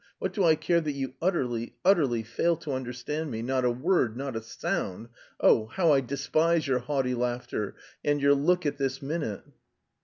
What do I care that you utterly, utterly fail to understand me, not a word, not a sound! Oh, how I despise your haughty laughter and your look at this minute!"